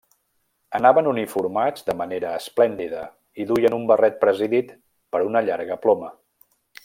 Anaven uniformats de manera esplèndida i duien un barret presidit per una llarga ploma.